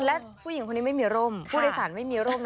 และผู้หญิงคนนี้ไม่มีร่มผู้โดยสารไม่มีร่ม